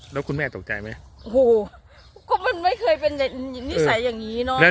แล้วคุณแม่ตกใจไหมโอ้โหก็มันไม่เคยเป็นนิสัยอย่างนี้เนอะ